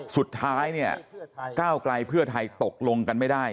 สุดท้ายเนี่ยก้าวไกลเพื่อไทยตกลงกันไม่ได้